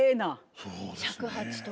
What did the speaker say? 尺八とか。